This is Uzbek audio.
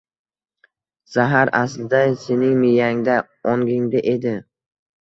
Zahar aslida sening miyangda, ongingda edi